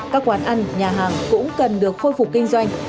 các quán ăn nhà hàng cũng cần được khôi phục kinh doanh